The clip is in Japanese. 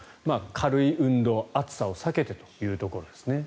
軽い運動、暑さを避けてというところなんですね。